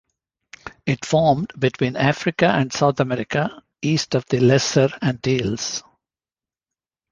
It formed between Africa and South America, east of the Lesser Antilles.